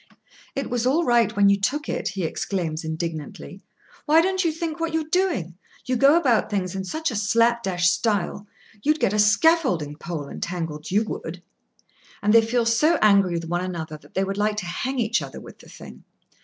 "It was all right when you took it!" he exclaims indignantly. "Why don't you think what you are doing? You go about things in such a slap dash style. You'd get a scaffolding pole entangled you would!" And they feel so angry with one another that they would like to hang each other with the thing.